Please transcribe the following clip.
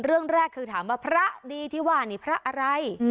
เรื่องแรกคือถามว่าพระดีที่ว่านี่พระอะไร